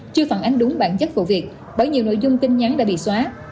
chưa phản ánh đúng bản chất vụ việc bởi nhiều nội dung tin nhắn đã bị xóa